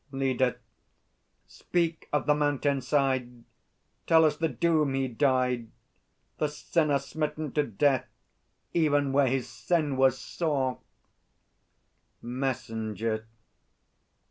LEADER. Speak of the mountain side! Tell us the doom he died, The sinner smitten to death, even where his sin was sore! MESSENGER.